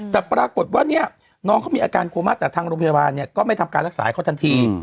แต่ปรากฏว่าเนี่ยน้องเขามีอาการโคม่าแต่ทางโรงพยาบาลเนี่ยก็ไม่ทำการรักษาให้เขาทันที